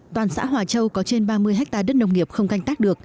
toàn xã hòa châu có trên ba mươi hectare đất nông nghiệp không canh tác được